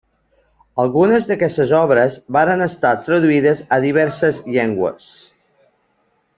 Algunes d'aquestes obres varen estar traduïdes a diverses llengües.